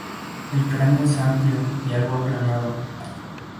El cráneo es amplio y algo aplanado.